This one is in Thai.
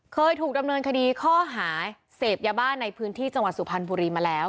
เคยถูกดำเนินคดีข้อหาเสพยาบ้านในพื้นที่จังหวัดสุพรรณบุรีมาแล้ว